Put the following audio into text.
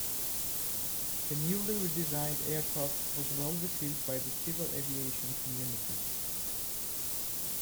The newly redesigned aircraft was well received by the civil aviation community.